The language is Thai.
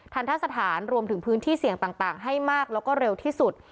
ทะสถานรวมถึงพื้นที่เสี่ยงต่างให้มากแล้วก็เร็วที่สุด